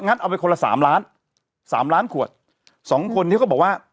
เอาไปคนละสามล้านสามล้านขวดสองคนที่เขาบอกว่า